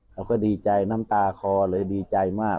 เขาก็ดีใจน้ำตาคอเลยดีใจมาก